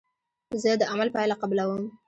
زه د عمل پایله قبلوم.